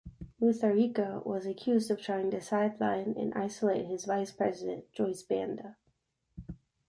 Mutharika was accused of trying to sideline and isolate his vice-president, Joyce Banda.